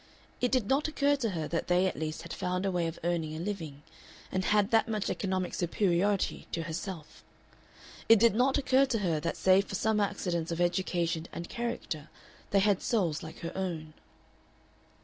It did not occur to her that they at least had found a way of earning a living, and had that much economic superiority to herself. It did not occur to her that save for some accidents of education and character they had souls like her own.